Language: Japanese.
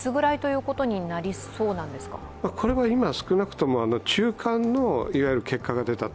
これは今、少なくとも中間の結果が出たと。